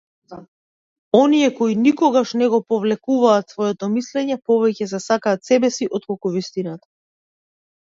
Оние кои никогаш не го повлекуваат своето мислење, повеќе се сакаат себеси отколку вистината.